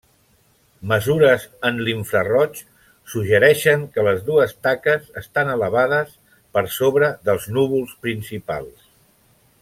Mesures en l'infraroig suggereixen que les dues taques estan elevades, per sobre dels núvols principals.